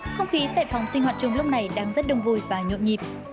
không khí tại phòng sinh hoạt chung lúc này đang rất đông vui và nhộn nhịp